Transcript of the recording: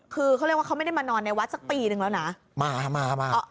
คือเขาเรียกว่าเขาไม่ได้มานอนในวัดสักปีนึงแล้วนะมามา